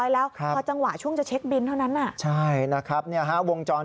แล้วเอาวางเอาค้างจานก่อน